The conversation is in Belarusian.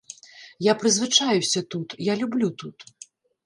Я прызвычаіўся тут, я люблю тут.